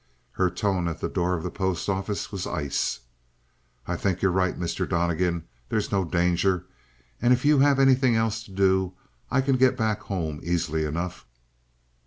Her tone at the door of the post office was ice. "I think you are right, Mr. Donnegan. There's no danger. And if you have anything else to do, I can get back home easily enough."